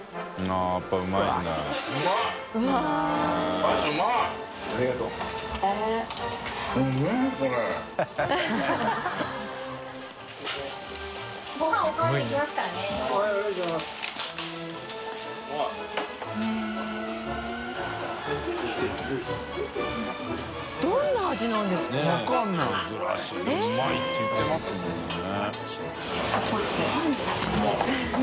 舛靴でもうまいって言ってますもんね。